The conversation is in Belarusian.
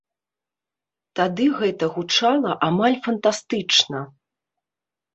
Тады гэта гучала амаль фантастычна.